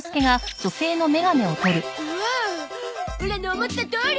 おおオラの思ったとおり！